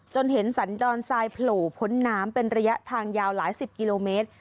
เห็นสันดอนทรายโผล่พ้นน้ำเป็นระยะทางยาวหลายสิบกิโลเมตร